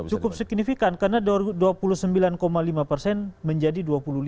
cukup signifikan karena dua puluh sembilan lima persen menjadi dua puluh lima